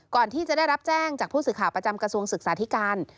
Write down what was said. ก่อนที่จะได้รับแจ้งจากผู้สื่อข่าวประจำกระทรวงศึกษาธิการ